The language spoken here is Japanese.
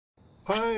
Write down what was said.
はい。